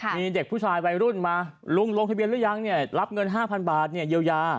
มีเด็กผู้ชายวัยรุ่นมาลุงลงทะเบียนหรือยังเนี่ยรับเงิน๕๐๐บาทเยียวยา